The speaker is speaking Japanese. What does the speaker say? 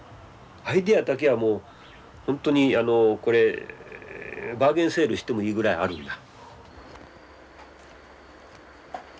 アイデアだけはもう本当にあのこれバーゲンセールしてもいいぐらいあるんだ。